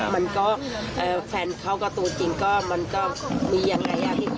มันก็เอ่อแฟนเขาก็ตัวจริงก็มันก็มียังไงอ่ะ